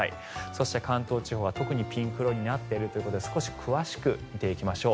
そして関東地方は特にピンク色になっているということで少し詳しく見ていきましょう。